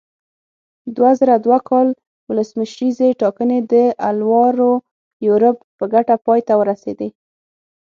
دوه زره دوه کال ولسمشریزې ټاکنې د الوارو یوریب په ګټه پای ته ورسېدې.